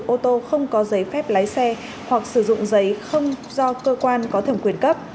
ô tô không có giấy phép lái xe hoặc sử dụng giấy không do cơ quan có thẩm quyền cấp